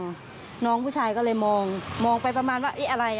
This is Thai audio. ก็น้องเขาก็เซแบบงงแบบเอ๋อไปเลย